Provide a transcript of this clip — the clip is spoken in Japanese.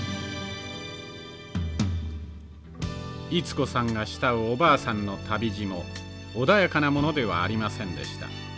溢子さんが慕うおばあさんの旅路も穏やかなものではありませんでした。